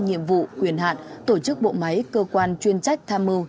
nhiệm vụ quyền hạn tổ chức bộ máy cơ quan chuyên trách tham mưu